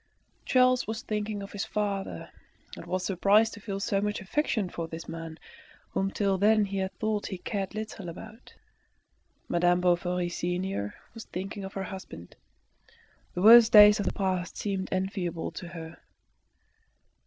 Charles was thinking of his father, and was surprised to feel so much affection for this man, whom till then he had thought he cared little about. Madame Bovary senior was thinking of her husband. The worst days of the past seemed enviable to her.